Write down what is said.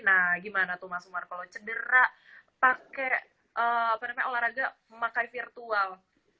nah gimana tuh mas umar kalau cedera pakai olahraga memakai virtual